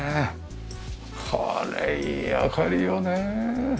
これいい明かりよねえ。